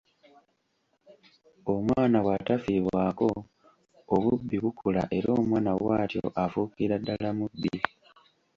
"Omwana bw'atafiibwako, obubbi bukula era omwana bw'atyo afuukira ddala mubbi."